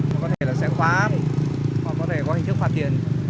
có thể là sẽ khóa hoặc có thể có hình thức phạt tiền